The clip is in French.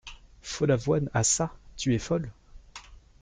Follavoine Ah çà ! tu es folle ?